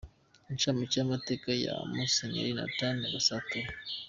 Incamake y’amateka ya Musenyeri Nathan Gasatura.